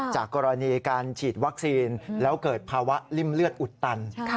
จากกรณีการฉีดวัคซีนแล้วเกิดภาวะริ่มเลือดอุดตัน